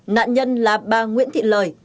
nạn nhân là bà nguyễn thị lời